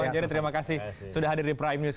bang jerry terima kasih sudah hadir di prime news